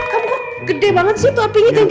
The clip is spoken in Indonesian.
kamu kok gede banget sih itu apinya tinggi